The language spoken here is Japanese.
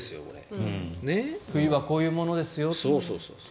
冬はこういうものですよ。